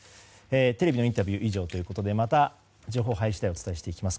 テレビのインタビュー以上ということでまた情報が入り次第お伝えしていきます。